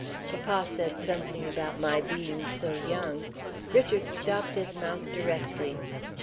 Papa said something about my being so young. Richard stopped his mouth directly.